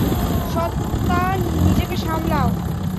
সত্যা, নিজেকে সামলাও!